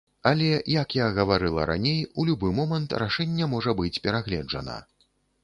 Але як я гаварыла раней, у любы момант рашэнне можа быць перагледжана.